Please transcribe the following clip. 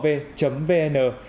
và trên website intv gov vn